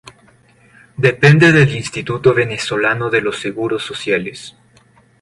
Depende del Instituto venezolano de los seguros sociales.